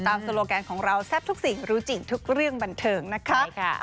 โซโลแกนของเราแซ่บทุกสิ่งรู้จริงทุกเรื่องบันเทิงนะคะ